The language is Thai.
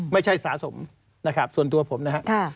ไม่ใช่สาสมส่วนตัวผมนะครับ